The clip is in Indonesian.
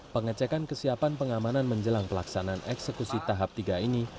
pengecekan kesiapan pengamanan menjelang pelaksanaan eksekusi tahap tiga ini